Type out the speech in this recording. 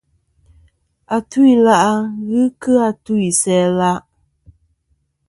Atu-ila' ghɨ kɨ a tu isæa-la'.